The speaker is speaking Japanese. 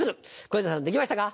小遊三さんできましたか？